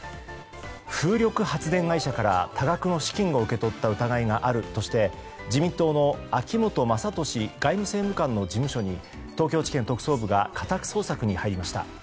風力発電会社から多額の資金を受け取った疑いがあるとして自民党の秋本真利外務政務官の事務所に東京地検特捜部が家宅捜索に入りました。